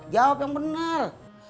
jawab yang bener